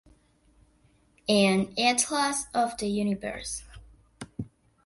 An Atlas of The Universe.